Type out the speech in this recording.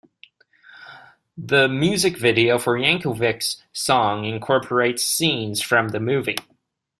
The music video for Yankovic's song incorporates scenes from the movie.